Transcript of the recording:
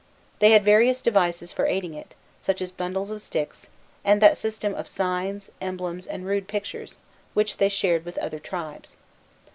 They had various devices for aiding it, such as bundles of sticks, and that system of signs, emblems, and rude pictures, which they shared with other tribes.